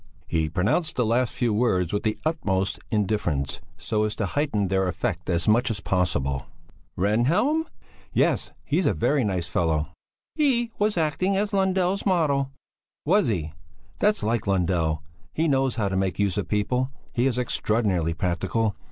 He pronounced the last few words with the utmost indifference, so as to heighten their effect as much as possible. "Rehnhjelm?" "Yes; a very nice fellow." "He was acting as Lundell's model." "Was he? That's like Lundell! He knows how to make use of people; he is extraordinarily practical.